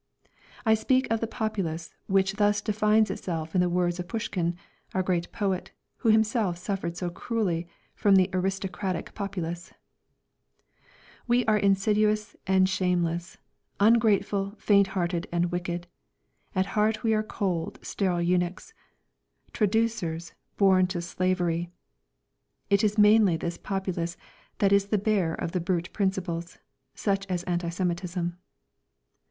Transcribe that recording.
I speak of the populace which thus defines itself in the words of Pushkin, our great poet, who himself suffered so cruelly from the aristocratic populace: "We are insidious and shameless, Ungrateful, faint hearted and wicked; At heart we are cold, sterile eunuchs, Traducers, born to slavery." It is mainly this populace that is the bearer of the brute principles, such as anti Semitism.